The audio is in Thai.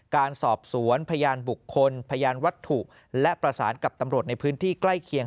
การสอบสวนพยานบุคคลพยานวัตถุและประสานกับตำรวจในพื้นที่ใกล้เคียง